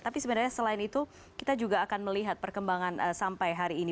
tapi sebenarnya selain itu kita juga akan melihat perkembangan sampai hari ini